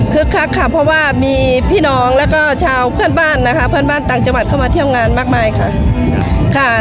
คักค่ะเพราะว่ามีพี่น้องแล้วก็ชาวเพื่อนบ้านนะคะเพื่อนบ้านต่างจังหวัดเข้ามาเที่ยวงานมากมายค่ะ